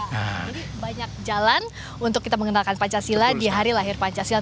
ini banyak jalan untuk kita mengenalkan pancasila di hari lahir pancasila